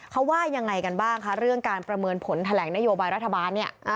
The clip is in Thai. เขาว่ายังไงกันบ้างคะเรื่องการประเมินผลแถลงนโยบายรัฐบาลเนี่ย